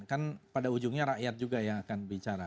kan pada ujungnya rakyat juga yang akan bicara